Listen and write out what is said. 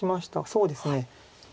そうですね。